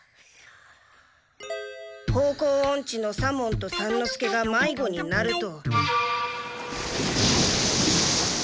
方向オンチの左門と三之助がまいごになると。